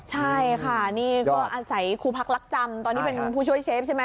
ใช่ค่ะนี่ก็อาศัยครูพักรักจำตอนนี้เป็นผู้ช่วยเชฟใช่ไหม